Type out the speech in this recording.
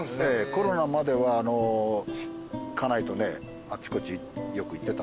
コロナまでは家内とねあっちこっちよく行ってたんです。